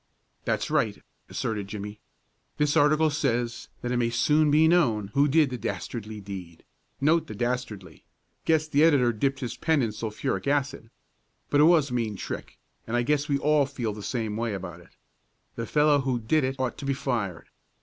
"That's right," asserted Jimmie. "This article says it may soon be known who did the 'dastardly deed' note the 'dastardly' guess the editor dipped his pen in sulphuric acid. But it was a mean trick, and I guess we all feel the same way about it. The fellow who did it ought to be fired.